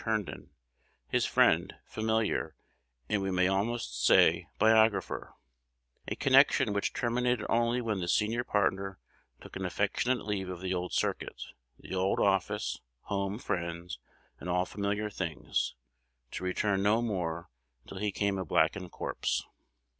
Herndon, his friend, familiar, and, we may almost say, biographer, a connection which terminated only when the senior partner took an affectionate leave of the old circuit, the old office, home, friends, and all familiar things, to return no more until he came a blackened corpse.